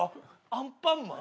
アンパンマン？